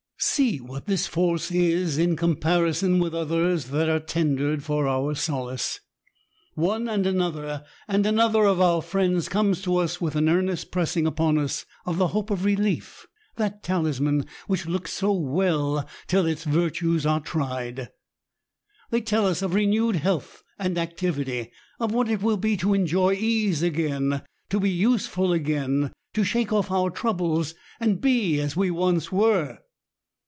See what this force is^ in comparison with others that are tendered for our solace ! One andanother^ and another^ of our friends comes to us with an earnest pressing upon us of the " hope of relief," — that talisman which looks so well till its virtues are tried ! They tell us of renewed health and activity, — of what it will be to enjoy ease again, — to be useful again, — to shake off our troubles and be as we once were.